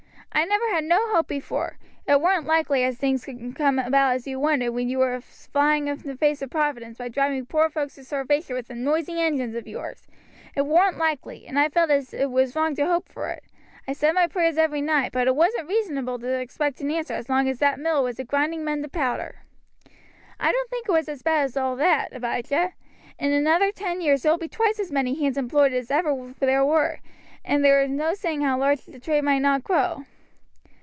I never had no hope before, it warn't likely as things would come about as you wanted, when you was a flying in the face of providence by driving poor folks to starvation with them noisy engines of yours; it warn't likely, and I felt as it was wrong to hope for it. I said my prayers every night, but it wasn't reasonable to expect a answer as long as that mill was a grinding men to powder." "I don't think it was as bad as all that, Abijah. In another ten years there will be twice as many hands employed as ever there were, and there is no saying how large the trade may not grow."